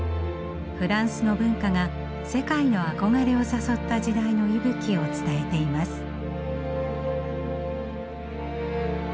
フランスの文化が世界の憧れを誘った時代の息吹を伝えています。